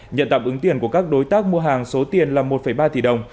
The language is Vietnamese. nhận tạm ứng tiền của các đối tác mua hàng số tiền là một ba tỷ đồng